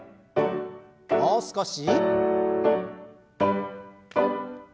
もう少し。